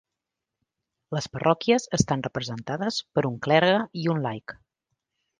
Les parròquies estan representades per un clergue i un laic.